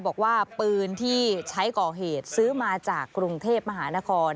บอกว่าปืนที่ใช้ก่อเหตุซื้อมาจากกรุงเทพมหานคร